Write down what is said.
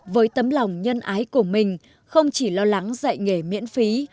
với tấm lòng nhân ái của mình không chỉ lo lắng dạy nghề miễn phí